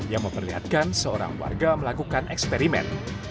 yang memperlihatkan seorang warga melakukan eksperimen